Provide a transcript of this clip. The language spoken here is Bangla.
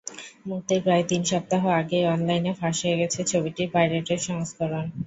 মুক্তির প্রায় তিন সপ্তাহ আগেই অনলাইনে ফাঁস হয়ে গেছে ছবিটির পাইরেটেড সংস্করণ।